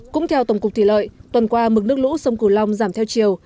cũng theo tổng cục thủy lợi tuần qua mực nước lũ sông cửu long giảm theo chiều